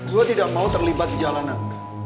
saya tidak mau terlibat di jalanan